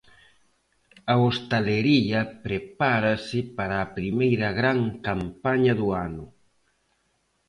A hostalería prepárase para a primeira gran campaña do ano.